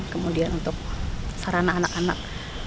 kemudian untuk sarana anak anak